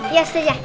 iya ustaz jah